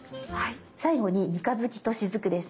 最後に三日月としずくです。